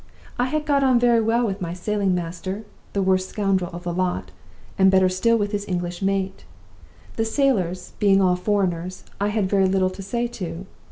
I had got on very well with my sailing master (the worst scoundrel of the lot), and better still with his English mate. The sailors, being all foreigners, I had very little to say to.